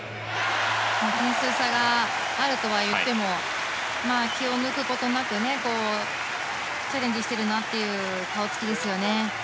点数差があるとはいっても気を抜くことなくチャレンジしてるなという顔つきですよね。